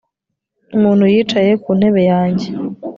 Umuntu yicaye ku ntebe yanjye